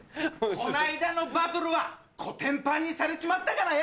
この間のバトルはコテンパンにされちまったからよ！